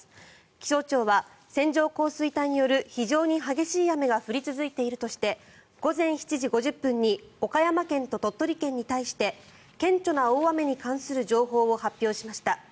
気象庁は線状降水帯による非常に激しい雨が降り続いているとして午前７時５０分に岡山県と鳥取県に対して顕著な大雨に関する情報を発表しました。